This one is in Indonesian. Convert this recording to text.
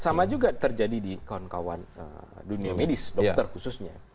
sama juga terjadi di kawan kawan dunia medis dokter khususnya